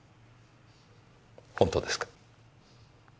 本当ですか？